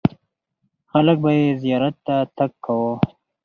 خلک به یې زیارت ته تګ کاوه.